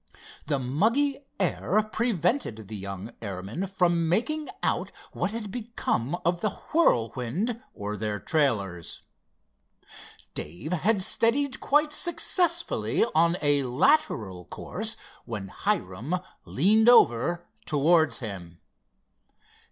The muggy air prevented the young airman from making out what had become of the Whirlwind or their trailers. Dave had steadied quite successfully on a lateral course when Hiram leaned over towards him.